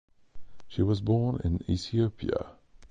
She was born in Ethiopia.